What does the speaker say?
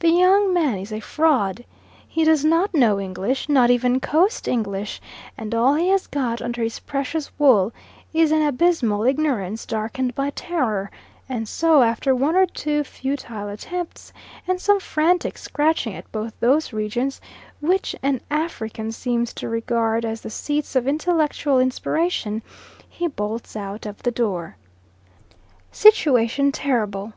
That young man is a fraud. He does not know English not even coast English and all he has got under his precious wool is an abysmal ignorance darkened by terror; and so, after one or two futile attempts and some frantic scratching at both those regions which an African seems to regard as the seats of intellectual inspiration, he bolts out of the door. Situation terrible!